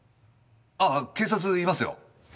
ああ警察いますよ。